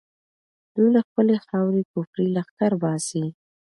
دوی له خپلې خاورې کفري لښکر باسي.